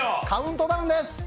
カウントダウンです。